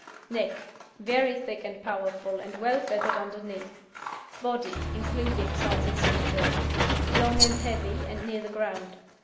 NECK Very thick and powerful, and well feathered underneath. BODY (INCLUDING SIZE AND SYMMETRY) Long and heavy, and near the ground.